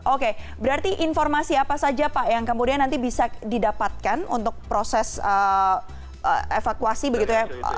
oke berarti informasi apa saja pak yang kemudian nanti bisa didapatkan untuk proses evakuasi begitu ya